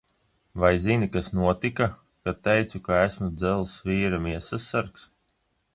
Vai zini, kas notika, kad teicu, kas esmu Dzelzs vīra miesassargs?